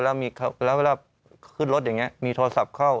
แล้วเวลาขึ้นรถอย่างนี้มีโทรศัพท์เข้า